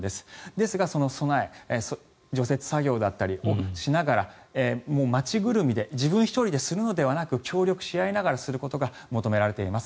ですがその備え除雪作業だったりをしながらもう街ぐるみで自分１人でするのではなく協力し合いながらすることが求められています。